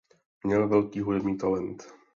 Měl velký hudební talent.